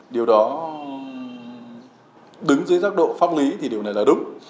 điều đó đứng dưới giác độ pháp lý thì điều này là đúng